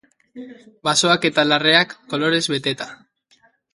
Basoak eta larreak kolorez beteta.